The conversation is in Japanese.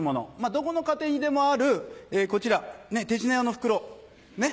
どこの家庭にでもあるこちら手品用の袋。